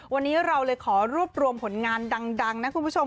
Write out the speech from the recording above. วันนี้เราเลยขอรวบรวมผลงานดังนะคุณผู้ชม